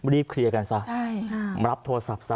รีบเคลียร์กันซะรับโทรศัพท์ซะ